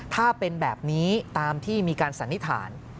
ถ้าเป็นแบบนี้ตามที่มีการสันนิษฐาน